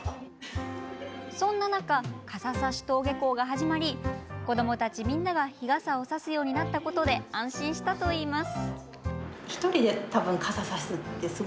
そんな中、傘さし登下校が始まり子どもたちみんなが日傘をさすようになったことで安心したといいます。